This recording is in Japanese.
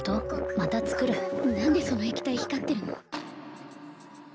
また作る何でその液体光ってるの？